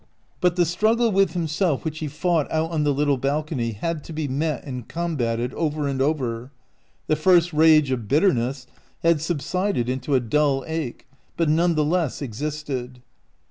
But the struggle with himself which he fought out on the little balcony had to be met and combated over and over. The first rage of bitterness had subsided into a dull ache, but none the less existed.